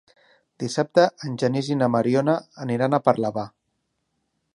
Dissabte en Genís i na Mariona aniran a Parlavà.